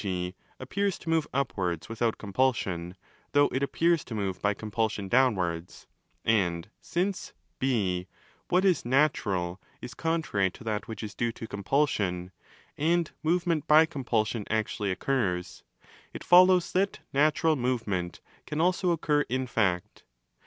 g., appears to move upwards without compulsion, though it appears to move by compulsion downwards); and since (0) what is 'natural' is contrary to that which is due to compulsion, and movement by compulsion actually occurs;1 it follows that 'natural movement' can also occur in fact.